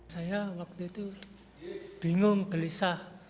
saya waktu itu bingung gelisah